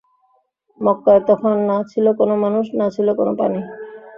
মক্কায় তখন না ছিল কোন মানুষ, না ছিল কোন পানি।